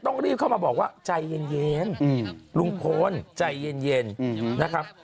ต้องรีบเข้ามาบอกว่าใจเย็นลุงพลใจเย็นนะครับ